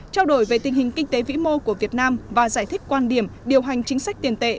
trao đổi về tình hình kinh tế vĩ mô của việt nam và giải thích quan điểm điều hành chính sách tiền tệ